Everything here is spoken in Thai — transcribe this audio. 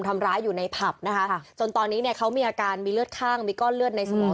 ทำร้ายอยู่ในผับนะคะจนตอนนี้เนี่ยเขามีอาการมีเลือดข้างมีก้อนเลือดในสมอง